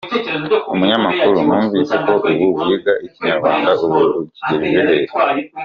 Umunyamakuru: Numvise ko ubu wiga Ikinyarwanda, ubu Ukigejeje hehe?.